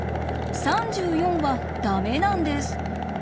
３４はダメなんです。